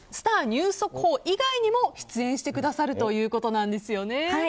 ニュース速報以外にも出演してくださるということなんですよね。